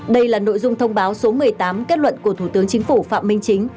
đây là nội dung thông báo số một mươi tám kết luận của thủ tướng chính phủ phạm minh chính